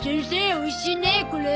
おいしいねこれ。